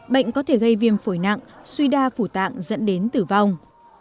bệnh có thể gây viêm phổi nặng suy đa phủ tạng dẫn đến tử vong